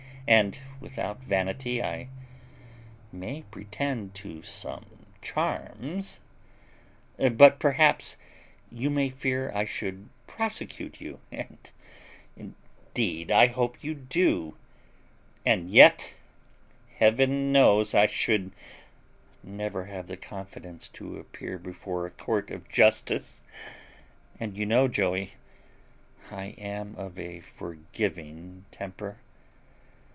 and, without vanity, I may pretend to some charms. But perhaps you may fear I should prosecute you; indeed I hope you do; and yet Heaven knows I should never have the confidence to appear before a court of justice; and you know, Joey, I am of a forgiving temper.